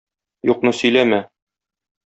Юкны сөйләмә.